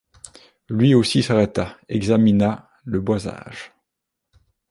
Lui aussi s’arrêta, examina le boisage.